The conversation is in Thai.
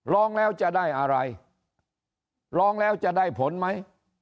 ร้องแล้วจะได้อะไรร้องแล้วจะได้ผลไหม